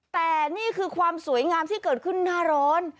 แต่นี่คือความสวยงามที่เกิดขึ้นหน้าร้อน